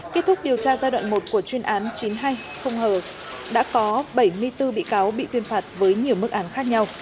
kết thúc điều tra giai đoạn một của chuyên án chín mươi hai không hờ đã có bảy mươi bốn bị cáo bị tuyên phạt với nhiều mức án khác nhau